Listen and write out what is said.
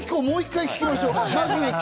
もう１回、聞きましょう。